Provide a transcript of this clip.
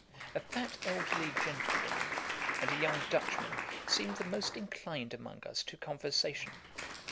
A fat elderly gentlewoman, and a young Dutchman, seemed the most inclined among us to conversation.